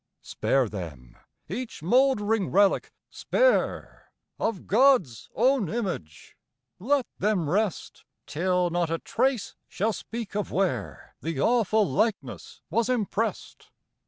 Spare them, each mouldering relic spare, Of God's own image; let them rest, Till not a trace shall speak of where The awful likeness was impressed.